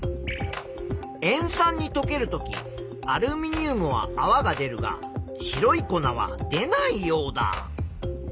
塩酸にとけるときアルミニウムはあわが出るが白い粉は出ないヨウダ。